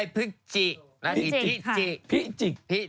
พีจีก